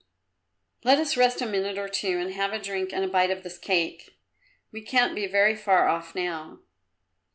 "Let us rest a minute or two and have a drink and a bite of this cake. We can't be very far off now."